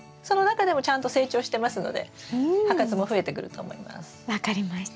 その中でもちゃんと成長してますので葉数も増えてくると思います。